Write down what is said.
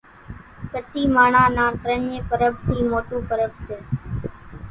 ڪڇي ماڻۿان نان ترڃي پرٻ ٿي موٽون پرٻ سي